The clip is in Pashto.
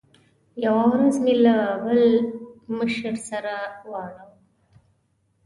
یوه ورځ مې له بل مشر سره واړاوه.